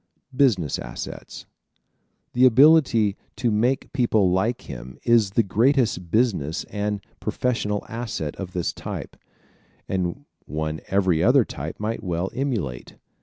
Business Assets ¶ The ability to make people like him is the greatest business and professional asset of this type, and one every other type might well emulate.